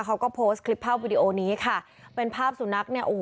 เขาก็โพสต์คลิปภาพวิดีโอนี้ค่ะเป็นภาพสุนัขเนี่ยโอ้โห